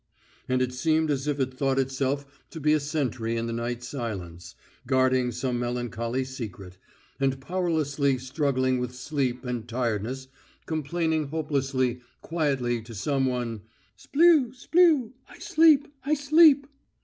_" and it seemed as if it thought itself to be a sentry in the night silence, guarding some melancholy secret, and powerlessly struggling with sleep and tiredness, complaining hopelessly, quietly, to someone, "Splew, splew, I sleep, I sleep." The word "splew" is Russian for "I sleep."